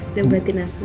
udah buatin aku